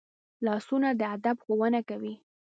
لاسونه د ادب ښوونه کوي